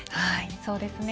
そうですね。